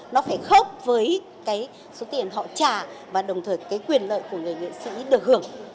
nó phải khác với cái số tiền họ trả và đồng thời cái quyền lợi của người nghệ sĩ được hưởng